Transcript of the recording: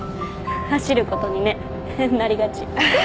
走ることにねなりがち。